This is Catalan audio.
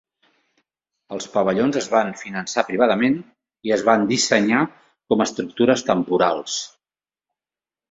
Els pavellons es van finançar privadament i es van dissenyar com estructures temporals.